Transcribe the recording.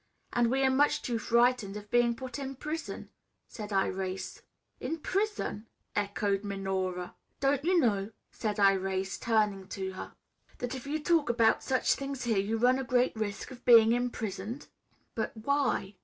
"And we are much too frightened of being put in prison," said Irais. "In prison?" echoed Minora. "Don't you know," said Irais, turning to her "that if you talk about such things here you run a great risk of being imprisoned?" "But why?"